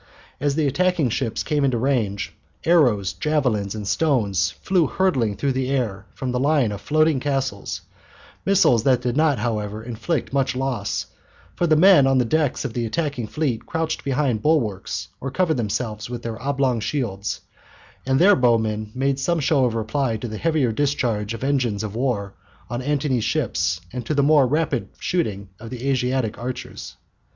As the attacking ships came into range, arrows, javelins, and stones flew hurtling through the air from the line of floating castles, missiles that did not, however, inflict much loss, for the men on the decks of the attacking fleet crouched behind bulwarks or covered themselves with their oblong shields, and their bowmen made some show of reply to the heavier discharge of engines of war on Antony's ships and to the more rapid shooting of the Asiatic archers.